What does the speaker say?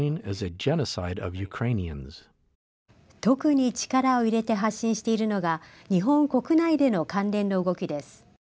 特に力を入れて発信しているのが日本国内での関連の動きです。